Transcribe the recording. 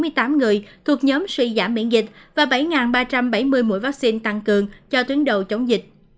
trong đó liều bổ sung được tiêm cho bốn bốn trăm bốn mươi tám người thuộc nhóm suy giảm miễn dịch và bảy ba trăm bảy mươi mũi vaccine tăng cường cho tuyến đầu chống dịch